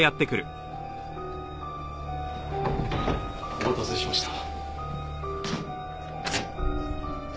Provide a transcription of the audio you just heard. お待たせしました。